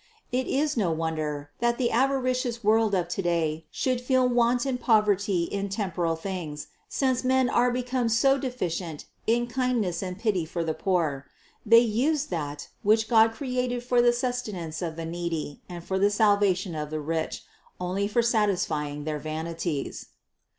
It is no wonder, that the avaricious world of today should feel want and poverty in temporal things, since men are become so deficient in kindness and pity for the poor: they use that, which God created for the sustenance of the needy and for the salvation of the rich, only for satisfying their vanities.